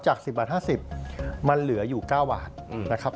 ๑๐บาท๕๐มันเหลืออยู่๙บาทนะครับ